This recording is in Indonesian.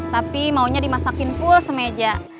tapi maunya dimasakin pula semeja